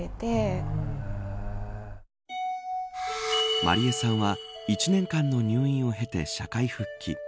麻莉絵さんは１年間の入院を経て社会復帰。